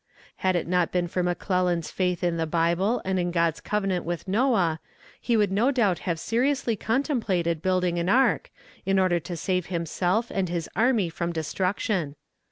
Had it not been for McClellan's faith in the bible and in God's covenant with Noah, he would no doubt have seriously contemplated building an ark, in order to save himself and his army from destruction.